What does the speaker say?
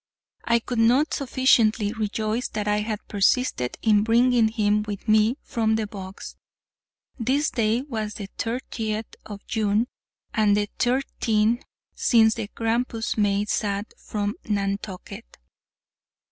I could not sufficiently rejoice that I had persisted in bringing him with me from the box. This day was the thirtieth of June, and the thirteenth since the Grampus made sail from Nantucket.